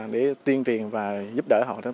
để tuyên truyền và giúp đỡ họ